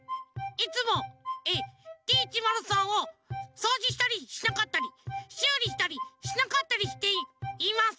いつもＤ１０３をそうじしたりしなかったりしゅうりしたりしなかったりしていいます！